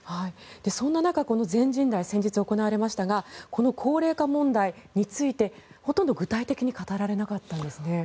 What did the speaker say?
そんな中、この全人代先日行われましたがこの高齢化問題についてほとんど具体的に語られなかったんですね。